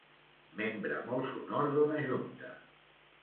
Membre molt sonor d'una junta.